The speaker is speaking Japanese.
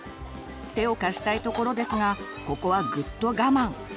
手を貸したいところですがここはぐっと我慢。